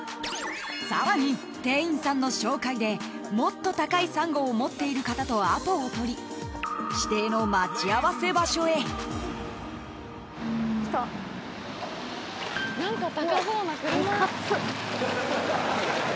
［さらに店員さんの紹介でもっと高いサンゴを持っている方とアポを取り指定の待ち合わせ場所へ］来た。